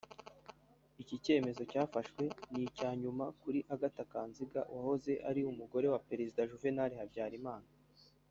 Iki cyemezo cyafashwe ni icya nyuma kuri Agatha Kanziga wahoze ari Umugore wa Perezida Juvenal Habyarimana